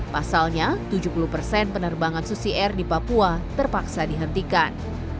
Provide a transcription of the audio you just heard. pasalnya tujuh puluh persen penerbangan susi air di papua terpaksa dihentikan